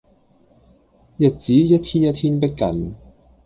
日子一天一天迫近